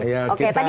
oke tadi menurutnya